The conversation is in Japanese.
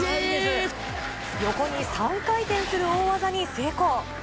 横に３回転する大技に成功。